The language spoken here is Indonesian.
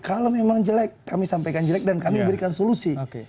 kalau memang jelek kami sampaikan jelek dan kami berikan solusi